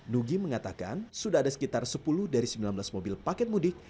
nugi mengatakan sudah ada sekitar sepuluh dari sembilan belas mobil paket mudik